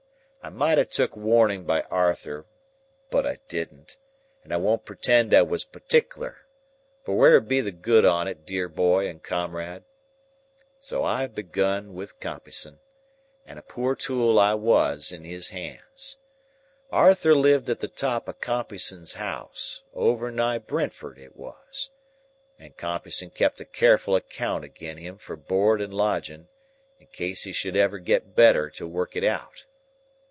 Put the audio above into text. "I might a took warning by Arthur, but I didn't; and I won't pretend I was partick'ler—for where 'ud be the good on it, dear boy and comrade? So I begun wi' Compeyson, and a poor tool I was in his hands. Arthur lived at the top of Compeyson's house (over nigh Brentford it was), and Compeyson kept a careful account agen him for board and lodging, in case he should ever get better to work it out.